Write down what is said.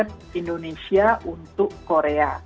kompetisi resep indonesia untuk korea